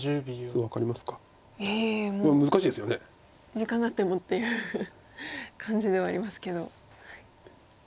時間があってもっていう感じではありますけど。